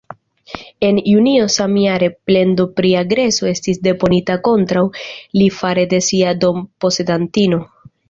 En junio samjare, plendo pri agreso estis deponita kontraŭ li fare de sia dom-posedantino.